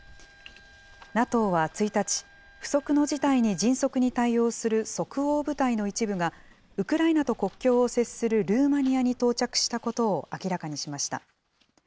ＮＡＴＯは１日、不測の事態に迅速に対応する即応部隊の一部が、ウクライナと国境を接するルーマニアに到着したことを明らかにしました。